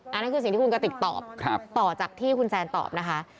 นั่นคือสิ่งที่คุณกติกตอบต่อจากที่คุณแซนตอบนะคะ